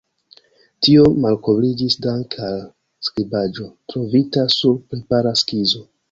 Tio malkovriĝis danke al skribaĵo trovita sur prepara skizo.